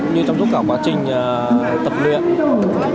như trong tất cả quá trình tập luyện